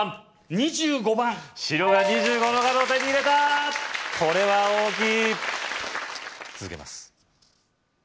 ２５番白が２５の角を手に入れたこれは大きい続けます